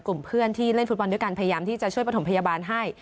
กลุ่มเพื่อนที่เล่นฟุตบอลด้วยกันพยายามที่จะช่วยประถมพยาบาลให้